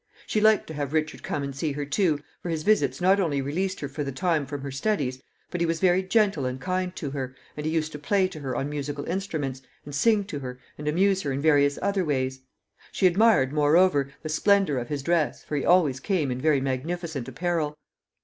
She liked to have Richard come and see her too, for his visits not only released her for the time from her studies, but he was very gentle and kind to her, and he used to play to her on musical instruments, and sing to her, and amuse her in various other ways. She admired, moreover, the splendor of his dress, for he always came in very magnificent apparel.